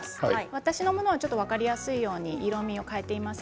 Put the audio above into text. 私のものは分かりやすいように色みを変えています。